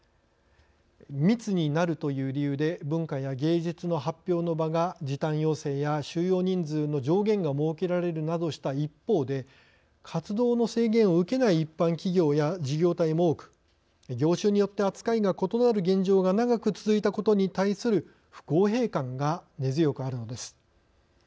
密になるという理由で文化や芸術の発表の場が時短要請や収容人数の上限が設けられるなどした一方で活動の制限を受けない一般企業や事業体も多く業種によって扱いが異なる現状が長く続いたことに対する不公平感が根強くあるのです。